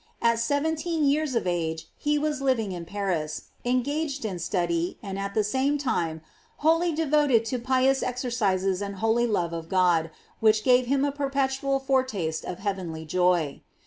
At seventeen years of age he was living in Paris, engaged in study, and at the same time wholly devoted to pious exercises and holy love of God, which gave him a perpetual foretaste of heaven ly joy.